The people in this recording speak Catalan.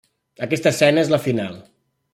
Aquesta escena és la final.